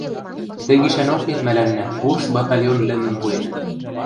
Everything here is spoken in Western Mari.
Тӹ гишӓнок вет мӓлӓннӓ вурс батальон лӹмӹм пуэнӹт.